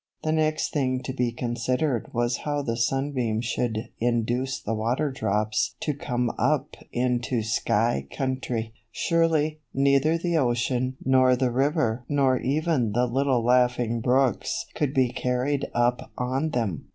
The next thing to be considered was how the sunbeam should induce the water drops to come up into sky country. Surely, neither the ocean nor the river nor even the little laughing brooks could be carried up on them.